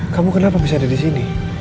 kamu kenapa bisa ada disini